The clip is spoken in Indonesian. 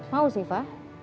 mau sih fa